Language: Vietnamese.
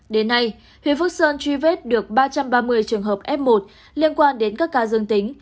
đến nay huyện phước sơn truy vết được ba trăm ba mươi trường hợp f một liên quan đến các ca dương tính